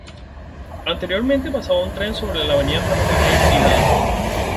Anteriormente pasaba un tren sobre la avenida Ferrocarril Hidalgo.